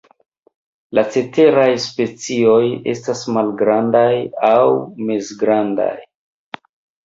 La ceteraj specioj estas malgrandaj aŭ mezgrandaj.